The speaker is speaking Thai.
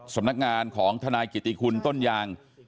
สำนักงานของทนายกิติคุณต้นยาง